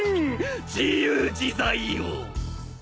自由自在よ。